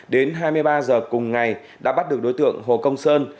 đến hai mươi ba h cùng ngày đã bắt được đối tượng hồ công sơn